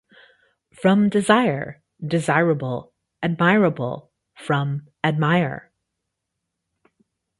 From "desire": desirable—admirable from "admire";